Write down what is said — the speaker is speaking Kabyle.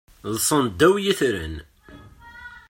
Ḍḍsen ddaw yitran.